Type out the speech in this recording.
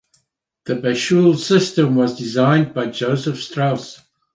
The bascule system was designed by Joseph Strauss.